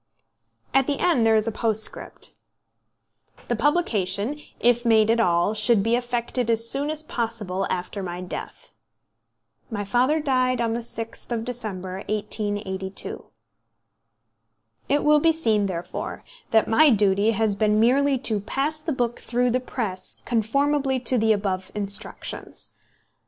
At the end there is a postscript: "The publication, if made at all, should be effected as soon as possible after my death." My father died on the 6th of December, 1882. It will be seen, therefore, that my duty has been merely to pass the book through the press conformably to the above instructions.